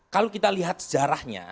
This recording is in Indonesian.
kalau kita lihat sejarahnya